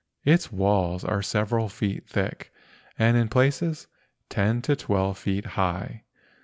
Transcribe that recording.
Its walls are several feet thick and in places ten to twelve feet high.